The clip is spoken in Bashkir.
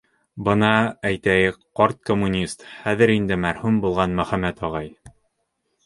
Бына, әйтәйек, ҡарт коммунист, хәҙер инде мәрхүм булған Мөхәммәт ағай.